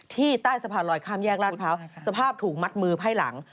ใต้สะพานลอยข้ามแยกราชพร้าวสภาพถูกมัดมือไพ่หลัง